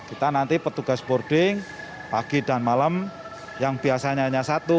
kita nanti petugas boarding pagi dan malam yang biasanya hanya satu